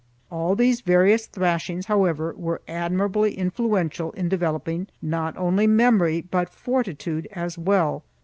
All these various thrashings, however, were admirably influential in developing not only memory but fortitude as well.